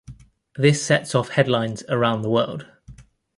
This sets off headlines around the world.